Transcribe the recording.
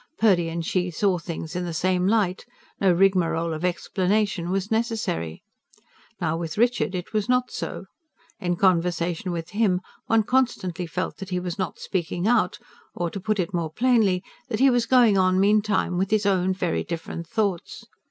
Purdy and she saw things in the same light; no rigmarole of explanation was necessary. Now with Richard, it was not so. In conversation with him, one constantly felt that he was not speaking out, or, to put it more plainly, that he was going on meanwhile with his own, very different thoughts.